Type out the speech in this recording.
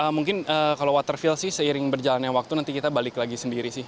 mungkin kalau waterfill sih seiring berjalannya waktu nanti kita balik lagi sendiri sih